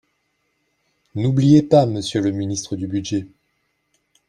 N’oubliez pas Monsieur le ministre du budget